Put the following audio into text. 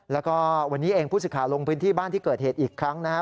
แล้วก็วันนี้เองผู้สื่อข่าวลงพื้นที่บ้านที่เกิดเหตุอีกครั้งนะครับ